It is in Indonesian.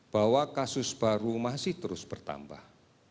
bahwa kasus baru masih terus bertambah